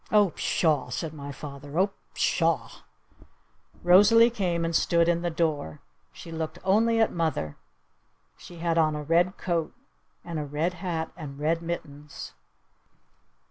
"Oh, pshaw," said father. "Oh, pshaw!" Rosalee came and stood in the door. She looked only at mother. She had on a red coat. And a red hat. And red mittens.